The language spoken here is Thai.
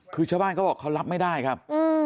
คือชาวบ้านเค้ารับไม่ได้ครับ